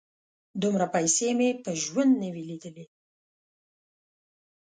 _دومره پيسې مې په ژوند نه وې لېدلې.